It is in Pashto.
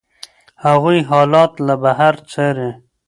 هغوی حالات له بهر څاري.